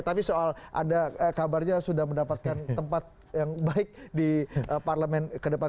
tapi soal ada kabarnya sudah mendapatkan tempat yang baik di parlemen kedepan